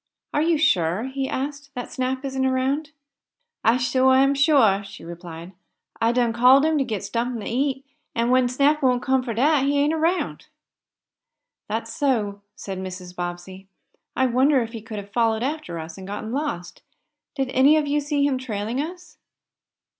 "Are you sure," he asked, "that Snap isn't around?" "I suah am suah," she replied. "I done called him to git suffin to eat, an' when Snap won't come fo' dat he ain't around." "That's so," said Mrs. Bobbsey. "I wonder if he could have followed after us, and got lost? Did any of you see him trailing us?"